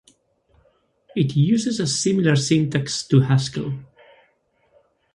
It uses similar syntax to Haskell